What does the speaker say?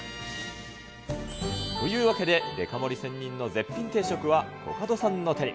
というわけで、デカ盛り仙人の絶品定食はコカドさんの手に。